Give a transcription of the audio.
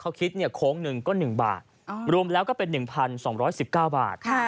เขาคิดโค้งหนึ่งก็๑บาทรวมแล้วก็เป็น๑๒๑๙บาท